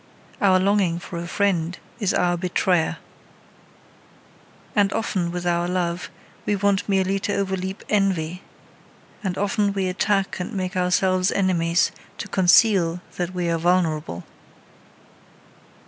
Our longing for a friend is our betrayer. And often with our love we want merely to overleap envy. And often we attack and make ourselves enemies, to conceal that we are vulnerable.